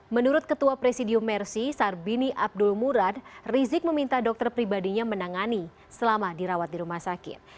menurut ketua presidium mercy sarbini abdul murad rizik meminta dokter pribadinya menangani selama dirawat di rumah sakit